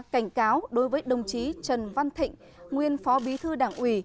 cảnh cáo đối với đồng chí trần văn thịnh nguyên phó bí thư đảng ủy